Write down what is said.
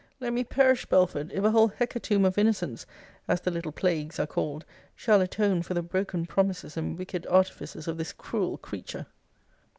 Let me perish, Belford, if a whole hecatomb of innocents, as the little plagues are called, shall atone for the broken promises and wicked artifices of this cruel creature!